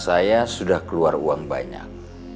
saya sudah keluar uang banyak